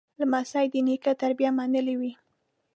لمسی د نیکه تربیه منلې وي.